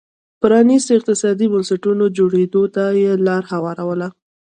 پرانيستو اقتصادي بنسټونو جوړېدو ته یې لار هواروله.